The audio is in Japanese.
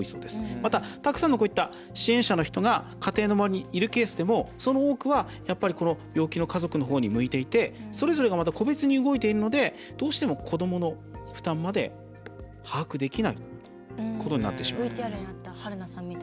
また、たくさんの支援者の方が家庭の周りにいるケースでもその多くはやっぱり、病気の家族のほうに向いていてそれぞれがまた個別に動いているのでどうしても子どもの負担まで把握できないことになってしまう。